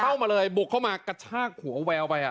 เข้ามาเลยบุกเข้ามากระชากหัวแววไป